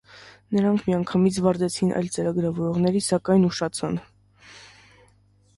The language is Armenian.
Նրանք միանգամից վարձեցին այլ ծրագրավորողների, սակայն ուշացան։